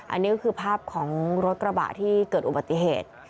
อันนี้ก็คือภาพของรถกระบะที่เกิดอุบัติเหตุ